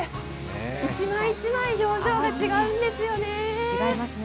１枚１枚、表情が違うんですよね。